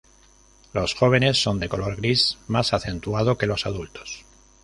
Los jóvenes son de color gris más acentuado que los adultos.